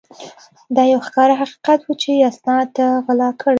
دا یو ښکاره حقیقت وو چې اسناد ده غلا کړي ول.